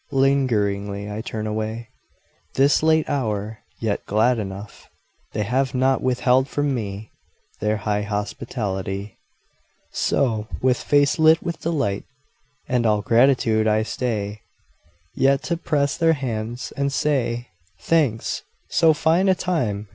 Lingeringly I turn away, This late hour, yet glad enough They have not withheld from me Their high hospitality. So, with face lit with delight And all gratitude, I stay Yet to press their hands and say, "Thanks. So fine a time